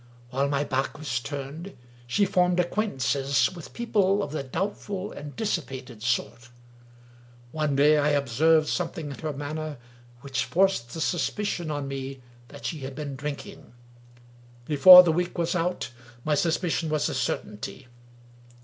While my back was turned, she formed acquaintances with people of the doubtful and dis sipated sort. One day, I observed something in her mari ner which forced the suspicion on me that she had been drinking. Before the week was out, my suspicion was a certainty.